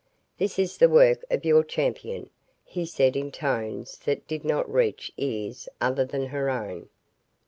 "This is the work of your champion," he said in tones that did not reach ears other than her own.